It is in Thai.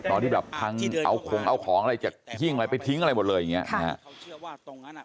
ตอนที่แบบพังเอาของอะไรจากหี้งอะไรไปทิ้งอะไรหมดเลยอย่างนี้